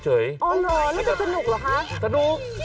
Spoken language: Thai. อ๋อเหรอแล้วจะสนุกเหรอคะสนุก